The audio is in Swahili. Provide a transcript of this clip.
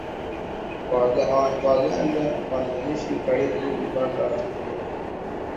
Waganda wanaoishi karibu na mpaka wa Tanzania